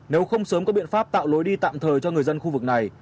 nếu không sớm có biện pháp tạo lối đi tạm thời cho người dân khu vực này